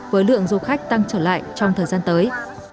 với lượng du khách tăng trở lại trong thời gian tới